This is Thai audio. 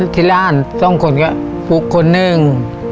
ที่ร่าน๒คนก็ฝุกคนหนึ่ง